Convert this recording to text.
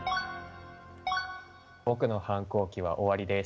僕の反抗期は終わりです。